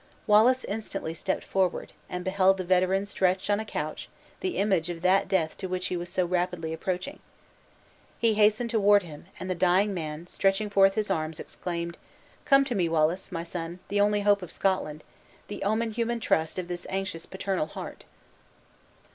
Wallace instantly stepped forward, and beheld the veteran stretched on a couch, the image of that death to which he was so rapidly approaching. He hastened toward him; and the dying man, stretching forth his arms exclaimed: "Come to me, Wallace, my son, the only hope of Scotland, the only human trust of this anxious paternal heart!"